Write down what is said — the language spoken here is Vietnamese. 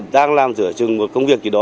đang làm giữa chừng một công việc kỳ đó